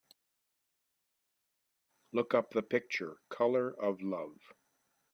Look up the picture, Colour of Love.